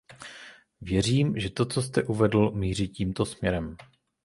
Věřím, že to, co jste uvedl, míří tímto směrem.